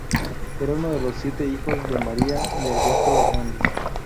Era uno de los siete hijos de Maria y Alberto Hernández.